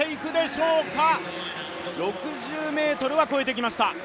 ６０ｍは越えてきました。